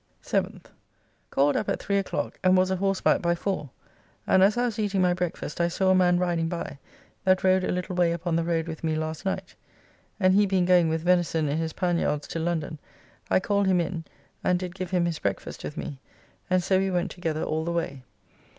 7th. Called up at three o'clock, and was a horseback by four; and as I was eating my breakfast I saw a man riding by that rode a little way upon the road with me last night; and he being going with venison in his pan yards to London, I called him in and did give him his breakfast with me, and so we went together all the way.